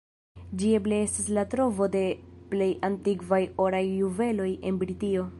Ĝi eble estas la trovo de plej antikvaj oraj juveloj en Britio.